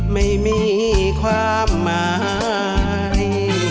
ไม่มีความหมาย